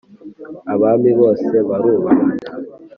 Abami bose barubahana.